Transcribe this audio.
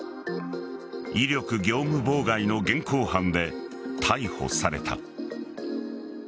威力業務妨害の現行犯で逮捕された。